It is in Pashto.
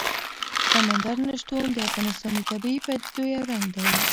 سمندر نه شتون د افغانستان د طبیعي پدیدو یو رنګ دی.